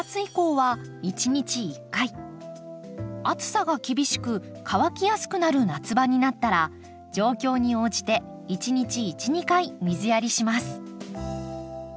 暑さが厳しく乾きやすくなる夏場になったら状況に応じて１日１２回水やりします。